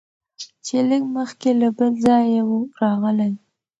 چي لږ مخکي له بل ځایه وو راغلی